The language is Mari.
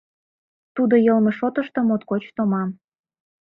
Тудо йылме шотышто моткоч томам.